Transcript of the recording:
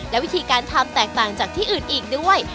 และวิธีการทำแตกต่างจากที่อื่นอีกด้วย